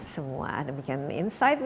semua demikian insight